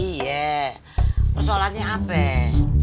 iya persoalannya apa